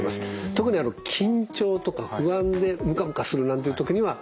特に緊張とか不安でムカムカするなんていう時には有効です。